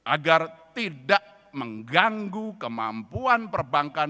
agar tidak mengganggu kemampuan perbankan